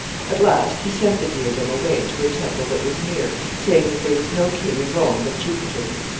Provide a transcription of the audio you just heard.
At last he sent the diadem away to a temple that was near, saying that there was no king in Rome but Jupiter.